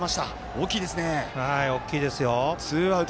大きいですね。